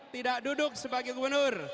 tidak duduk sebagai gubernur